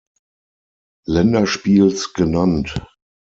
Länderspiels genannt.